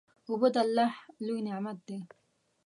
اوبه د الله لوی نعمت دی.